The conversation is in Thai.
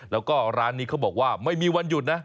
แล้วก็ร้านนี้เขาบอกว่าไม่มีวันหยุดนะ